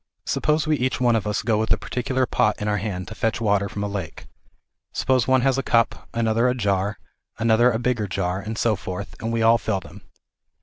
Suppose we each one of us go with a particular pot in our hand to fetch water from a lake. Suppose one has a cup, another a jar, another a bigger jar, and so forth, and we all fill them.